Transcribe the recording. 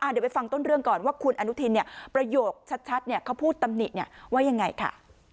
เดี๋ยวไปฟังต้นเรื่องก่อนว่าคุณอนุทินประโยคชัดเขาพูดตำหนิว่ายังไงค่ะ